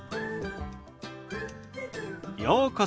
ようこそ。